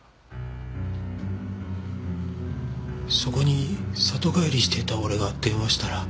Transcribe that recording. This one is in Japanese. そこに里帰りしていた俺が電話したら。